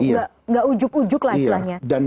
nggak ujuk ujuk lah istilahnya